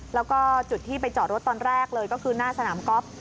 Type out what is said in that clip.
แล้วก็จุดที่ไปจอดรถตอนแรกเลยก็คือหน้าสนามก๊อฟ